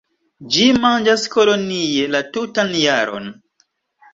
Ĝi manĝas kolonie la tutan jaron.